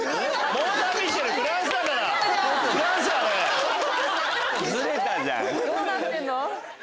どうなってんの？